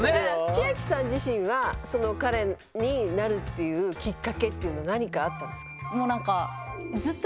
千明さん自身は彼になるっていうきっかけっていうのは何かあったんですか？